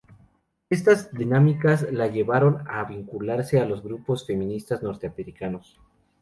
Estas dinámicas la llevaron a vincularse a los grupos feministas norteamericanos.